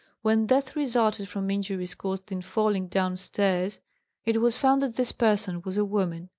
When death resulted from injuries caused in falling down stairs, it was found that this person was a woman.